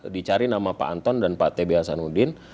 dicari nama pak anton dan pak t b hasanudin